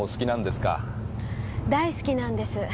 大好きなんです。